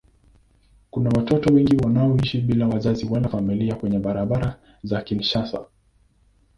Kuna watoto wengi wanaoishi bila wazazi wala familia kwenye barabara za Kinshasa.